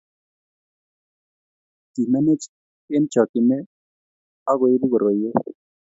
kimenech eng' chokchine akuibu koroiwek